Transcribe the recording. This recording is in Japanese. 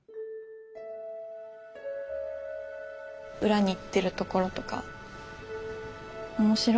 うらに行ってるところとか面白いですね。